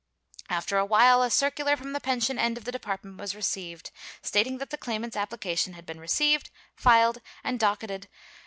After awhile a circular from the pension end of the department was received, stating that the claimant's application had been received, filed and docketed No.